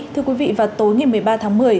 thưa quý vị vào tối ngày một mươi ba tháng một mươi